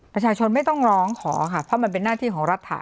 ประชาชนไม่ต้องร้องขอค่ะเพราะมันเป็นหน้าที่ของรัฐะ